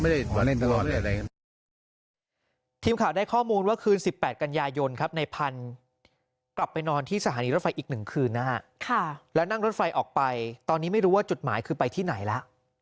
ทีมข่าวได้ข้อมูลว่าคืน๑๘กันยายนครับในพันธุ์กลับไปนอนที่สถานีรถไฟอีก๑คืนนะฮะแล้วนั่งรถไฟออกไปตอนนี้ไม่รู้ว่าจุดหมายคือไปที่ไหนแล้ว